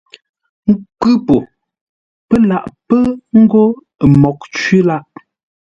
Kwʉ̌ po, pə́ laʼ pə́ ngô ə́ mǒghʼ cwí lâʼ.